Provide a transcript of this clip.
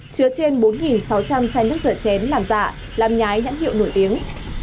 chứa trên bốn sáu trăm linh chai nước rửa chén làm giả làm nhái nhãn hiệu nổi tiếng